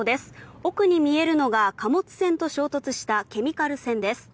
奥に見えるのが貨物船と衝突したケミカル船です。